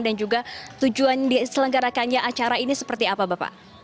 dan juga tujuan diselenggarakannya acara ini seperti apa bapak